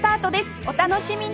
お楽しみに！